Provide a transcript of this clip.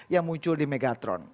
yang muncul di megatron